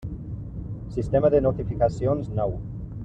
Sistema de notificacions nou.